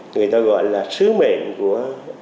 người ta gọi là sứ mệnh của